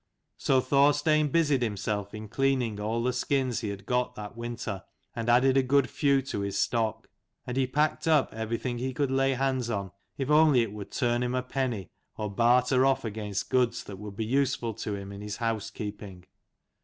So Thorstein busied himself in cleaning all the skins he had got that winter, and added a good few to his stock : and he packed up everything he could lay hands on, if only it would turn him a penny, or barter off against goods that would be useful to him in his housekeeping.